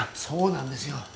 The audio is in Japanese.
そうなんですよ。